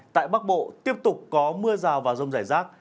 tại bắc bộ tiếp tục có mưa rào và rông rải rác